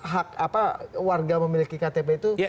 hak warga memiliki ktp itu sudah bisa